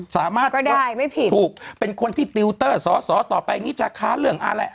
สามารถก็ได้ไม่ผิดถูกเป็นคนที่ติวเตอร์สอสอต่อไปนี้จะค้าเรื่องอะไร